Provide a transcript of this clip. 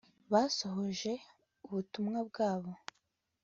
basohoje ubutumwa bwabo